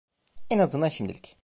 En azından şimdilik.